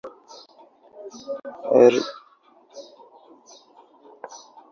এর পূর্বে একটি অর্ধবৃত্তাকার এলাকাতে সরকারী ভবনগুলি অবস্থিত।